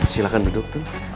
silahkan duduk tuh